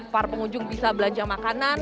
para pengunjung bisa belanja makanan